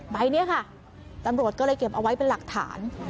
ใบนี้ค่ะตำรวจก็เลยเก็บเอาไว้เป็นหลักฐาน